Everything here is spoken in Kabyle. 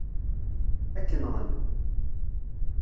Ad k-nɣen.